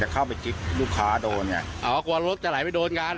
เขาปลดเกลียวว่ามันจะไหลไปชน